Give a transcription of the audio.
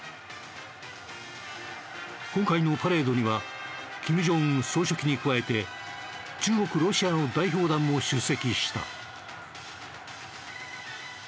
今回のパレードには金正恩総書記に加えて中国ロシアの代表団も出席した。